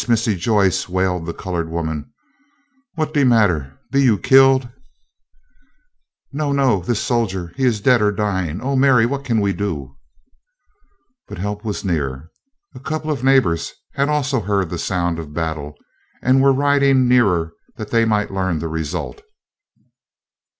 Missy Joyce!" wailed the colored woman, "what's de mattah? Be yo' killed?" "No, no, this soldier—he is dead or dying. Oh, Mary, what can we do?" But help was near. A couple of neighbors had also heard the sound of battle, and were riding nearer that they might learn the result.